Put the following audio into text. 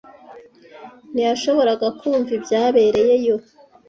Ntiyashoboraga kumva ibyabereyeyo.